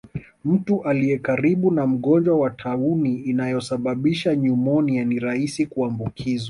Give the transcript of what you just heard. Mtu aliyekaribu na mgonjwa wa tauni inayosababisha nyumonia ni rahisi kuambukizwa